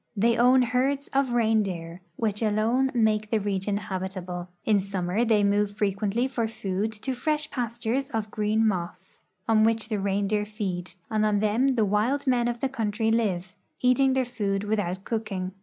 They own herds of reindeer, which alone make the region habitable. In summer they move frequently for food to fresh pastures of green moss, on which the reindeer feed, and on them the wild men of the country live, eating their food without cooking.